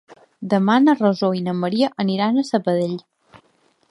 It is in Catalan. Demà na Rosó i na Maria aniran a Sabadell.